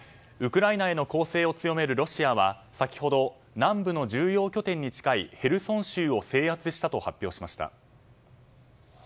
ウクライナへの攻勢を強めるロシアは先ほど、南部の重要拠点に近いヘルソン州を制圧したと発表しました。